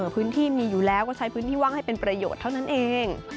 พื้นที่มีอยู่แล้วก็ใช้พื้นที่ว่างให้เป็นประโยชน์เท่านั้นเอง